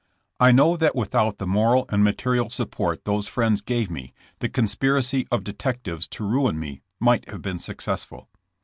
I know that without the moral and material support those friends gave me the con spiracy of detectives to ruin me might have been successful.